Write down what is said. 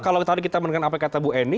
kalau tadi kita mendengar apa yang kata bu eni